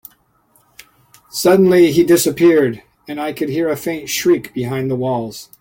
Suddenly, he disappeared, and I could hear a faint shriek behind the walls.